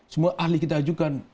semua ahli kita ajukan